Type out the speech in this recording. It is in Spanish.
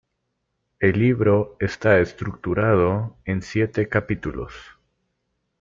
El libro está estructurado en siete capítulos.